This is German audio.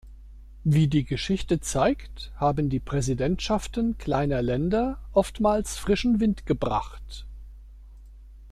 Wie die Geschichte zeigt, haben die Präsidentschaften kleiner Länder oftmals frischen Wind gebracht.